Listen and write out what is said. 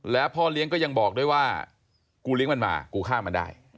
แล้วพ่อเลี้ยงก็ยังบอกด้วยว่ากูเลี้ยงมันมากูฆ่ามันได้